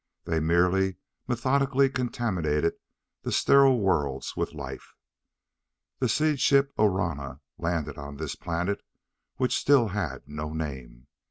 They merely methodically contaminated the sterile worlds with life. The Seed Ship Orana landed on this planet which still had no name.